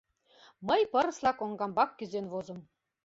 Мый пырысла коҥгамбак кӱзен возым.